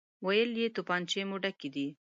ويې ويل: توپانچې مو ډکې دي؟